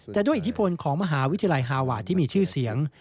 แต่ด้วยอิทธิพลของมหาวิทยาลัยฮาวาที่มีชื่อเสียง